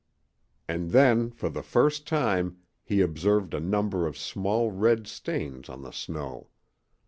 And then, for the first time, he observed a number of small red stains on the snow.